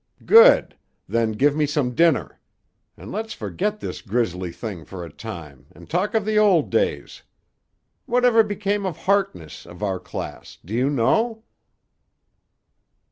"Good! Then give me some dinner. And let's forget this grisly thing for a time, and talk of the old days. Whatever became of Harkness, of our class, do you know?"